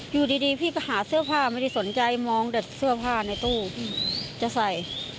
อยู่ดีพี่ก็หาเสื้อผ้าไม่ได้สนใจมองแต่เสื้อผ้าในตู้จะใส่